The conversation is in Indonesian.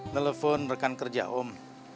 nelfon rekan kerja om